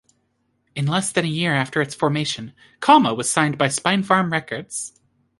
In less than a year after its formation, Kalmah was signed by Spinefarm Records.